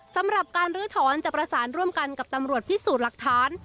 สำหรับการลื้อถอนจะประสานร่วมกันกับตำรวจพิสูจน์หลักฐาน